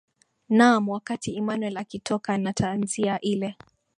naam wakati emmanuel akitoka na tanzia ile